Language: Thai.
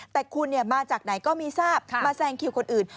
แต่คุณมาจากไหนก็ไม่ทราบมาแซงคิวคนอื่น